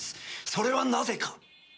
それはなぜか！？